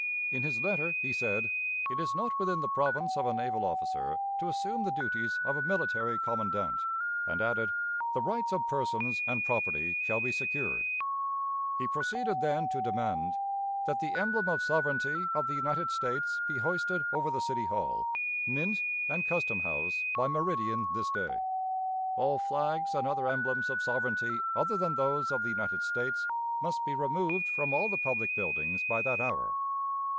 In his letter he said: "It is not within the province of a naval officer to assume the duties of a military commandant," and added, "The rights of persons and property shall be secured." He proceeded then to demand "that the emblem of sovereignty of the United States be hoisted over the City Hall, Mint, and Custom House by meridian this day. All flags and other emblems of sovereignty other than those of the United States must be removed from all the public buildings by that hour."